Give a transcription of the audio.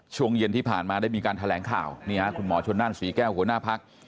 ช่วงเย็นที่ผ่านมาได้มีการแถลงข่าวนี่ฮะคุณหมอชนนั่นศรีแก้วหัวหน้าพัก